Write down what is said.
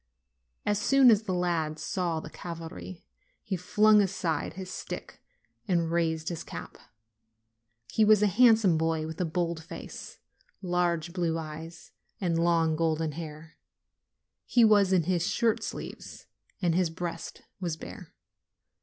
As soon as the lad saw the cavalry, he flung aside his stick and raised his cap. He was a handsome boy, with a bold face, large blue eyes and long, golden hair. He was in his shirt sleeves and his breast was bare.